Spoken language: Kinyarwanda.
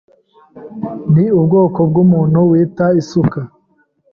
ni ubwoko bwumuntu wita isuka.